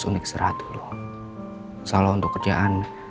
misalnya aku berusaha